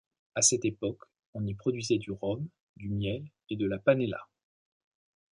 À cette époque, on y produisait du rhum, du miel et de la panela.